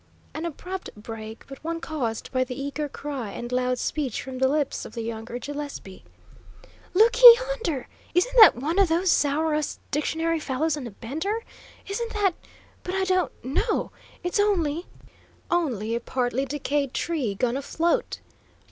An abrupt break, but one caused by the eager cry and loud speech from the lips of the younger Gillespie. "Looky yonder! Isn't that one o' those sour us dictionary fellows on a bender? Isn't that but I don't no, it's only " "Only a partly decayed tree gone afloat!"